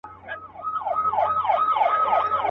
دلته هره تيږه کاڼئ بدخشان دی.